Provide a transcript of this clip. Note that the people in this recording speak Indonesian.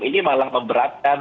ini malah memberatkan